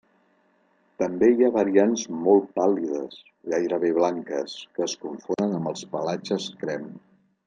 També hi ha variants molt pàl·lides, gairebé blanques, que es confonen amb els pelatges crem.